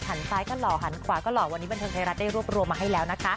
ซ้ายก็หล่อหันขวาก็หล่อวันนี้บันเทิงไทยรัฐได้รวบรวมมาให้แล้วนะคะ